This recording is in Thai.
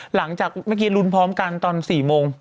หลังจากเมื่อกี้ลุ้นพร้อมกันตอน๔โมง